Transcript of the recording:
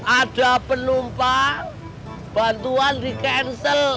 ada penumpang bantuan re cancel